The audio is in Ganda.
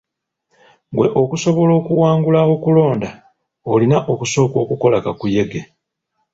Gwe okusobola okuwangula okulonda olina okusooka okukola kakuyege.